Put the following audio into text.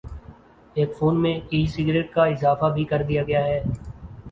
ایک فون میں "e cigarette" کا اضافہ بھی کر دیا گیا ہے